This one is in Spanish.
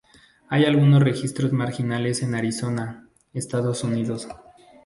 Hay algunos registros marginales en Arizona, Estados Unidos.